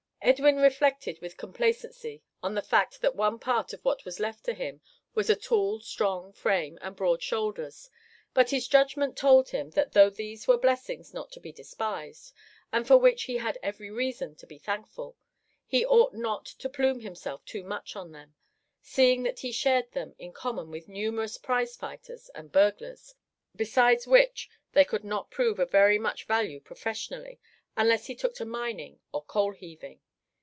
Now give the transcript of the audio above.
Edwin reflected with complacency on the fact that one part of what was left to him was a tall strong frame and broad shoulders, but his judgment told him that though these were blessings not to be despised, and for which he had every reason to be thankful, he ought not to plume himself too much on them, seeing that he shared them in common with numerous prize fighters and burglars, besides which they could not prove of very much value professionally unless he took to mining or coal heaving.